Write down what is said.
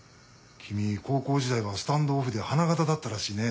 君高校時代はスタンドオフで花形だったらしいね。